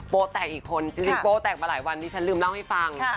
แตกอีกคนจริงโป้แตกมาหลายวันนี้ฉันลืมเล่าให้ฟัง